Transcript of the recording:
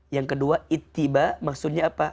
yang kedua itiba maksudnya apa